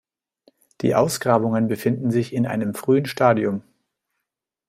Die Ausgrabungen befinden sich in einem frühen Stadium.